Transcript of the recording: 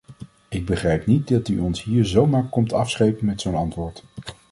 Ik begrijp niet dat u ons hier zo maar komt afschepen met zo'n antwoord.